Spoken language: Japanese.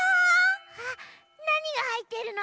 あなにがはいってるの？